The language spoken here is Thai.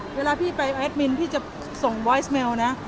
เวลาพี่ไปแอดมินพี่จะส่งบอยสเมลนะ